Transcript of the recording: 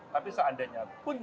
tapi seandainya pun